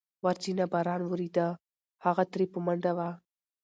وريچينه باران وريده، هغه ترې په منډه وه.